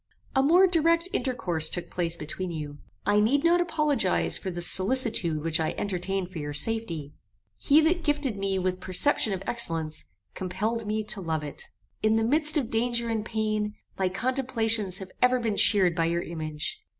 "A more direct intercourse took place between you. I need not apologize for the solicitude which I entertained for your safety. He that gifted me with perception of excellence, compelled me to love it. In the midst of danger and pain, my contemplations have ever been cheered by your image.